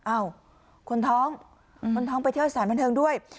คนท้องคนท้องไปเที่ยวสถานบันเทิงด้วย